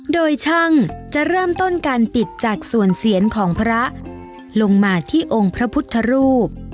โดยช่างจะเริ่มต้นการปิดจากส่วนเสียนของพระลงมาที่องค์พระพุทธรูป